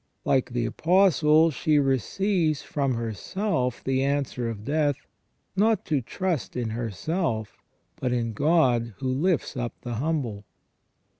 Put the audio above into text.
Like the Apostle, she receives from herself the answer of death, not to trust in her self, but in God who lifts up the humble.